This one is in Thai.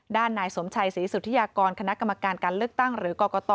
นายสมชัยศรีสุธิยากรคณะกรรมการการเลือกตั้งหรือกรกต